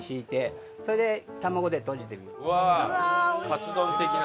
カツ丼的な。